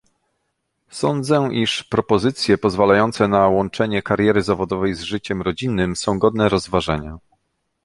Sądzę, iż propozycje pozwalające na łączenie kariery zawodowej z życiem rodzinnym są godne rozważenia